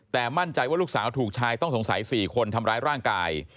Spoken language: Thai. แต่มั่นใจว่าลูกสาวถูกชายต้องสงสัย๔คนทำร้ายร่างกาย